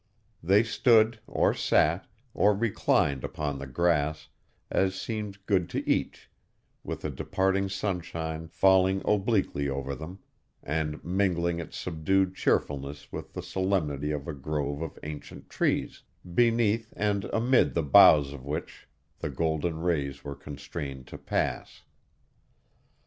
They stood, or sat, or reclined upon the grass, as seemed good to each, with the departing sunshine falling obliquely over them, and mingling its subdued cheerfulness with the solemnity of a grove of ancient trees, beneath and amid the boughs of which the golden rays were constrained to pass.